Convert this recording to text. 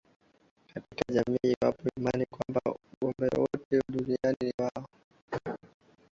Katika jamii yao ipo imani kwamba ngombe wote duniani ni wa kwao